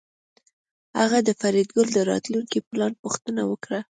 هغه د فریدګل د راتلونکي پلان پوښتنه وکړه